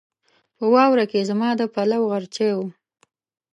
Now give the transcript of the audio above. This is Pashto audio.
په واوره کې زما د پلوو غرچی و